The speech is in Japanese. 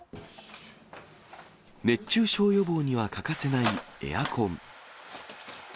熱中症予防には欠かせないエアコン。